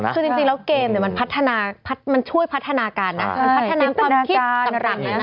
คือจริงแล้วเกมมันช่วยพัฒนาการนะมันพัฒนาความคิดต่ำต่ำนะ